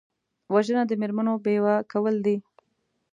وژنه د مېرمنو بیوه کول دي